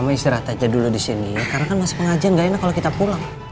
mama kenapa sih bisa pusing gitu